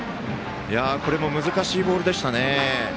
これも難しいボールでしたよね。